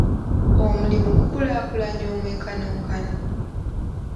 Omulimu gukulaakulanya omwenkanonkano?